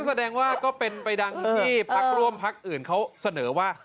แสดงว่าก็เป็นไปดังที่พักร่วมพักอื่นเขาเสนอว่า